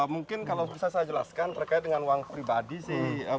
mungkin kalau bisa saya jelaskan terkait dengan uang pribadi sih